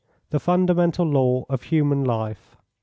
THE FUNDAMENTAL LAW OF HUMAN LIFE.